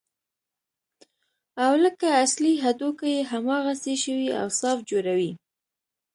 او لکه اصلي هډوکي يې هماغسې ښوى او صاف جوړوي.